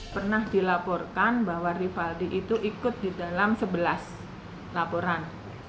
pernah dilaporkan bahwa rivaldi itu ikut di dalam sebelas laporan